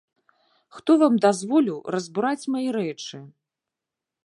Хто вам дазволіў разбураць мае рэчы?